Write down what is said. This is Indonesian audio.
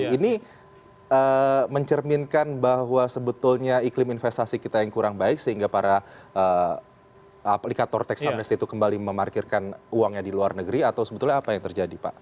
ini mencerminkan bahwa sebetulnya iklim investasi kita yang kurang baik sehingga para aplikator teks amnesty itu kembali memarkirkan uangnya di luar negeri atau sebetulnya apa yang terjadi pak